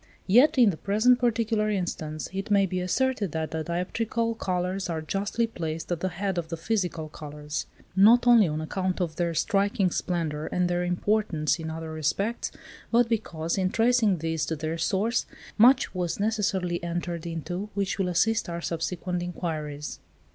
Yet, in the present particular instance, it may be asserted that the dioptrical colours are justly placed at the head of the physical colours; not only on account of their striking splendour and their importance in other respects, but because, in tracing these to their source, much was necessarily entered into which will assist our subsequent enquiries.